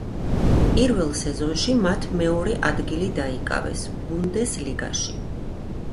პირველ სეზონში მათ მეორე ადგილი დაიკავეს ბუნდესლიგაში.